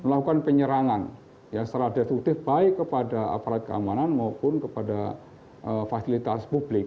melakukan penyerangan secara destruktif baik kepada aparat keamanan maupun kepada fasilitas publik